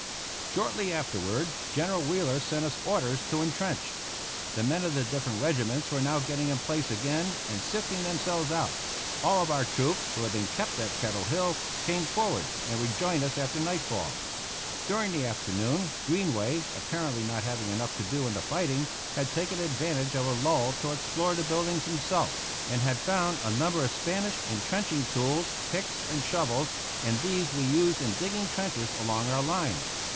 Shortly afterward General Wheeler sent us orders to intrench. The men of the different regiments were now getting in place again and sifting themselves out. All of our troops who had been kept at Kettle Hill came forward and rejoined us after nightfall. During the afternoon Greenway, apparently not having enough to do in the fighting, had taken advantage of a lull to explore the buildings himself, and had found a number of Spanish intrenching tools, picks, and shovels, and these we used in digging trenches along our line.